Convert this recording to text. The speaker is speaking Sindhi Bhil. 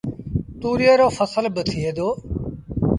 توريئي رو ڦسل با ٿئي دو۔